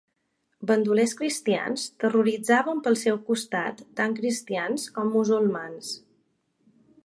Bandolers cristians terroritzaven pel seu costat tant cristians com musulmans.